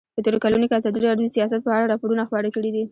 په تېرو کلونو کې ازادي راډیو د سیاست په اړه راپورونه خپاره کړي دي.